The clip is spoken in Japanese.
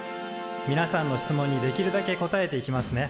みなさんの質問にできるだけ答えていきますね。